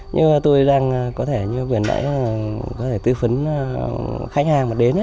nhưng mà tôi đang có thể như vừa nãy có thể tư vấn khách hàng mà đến đấy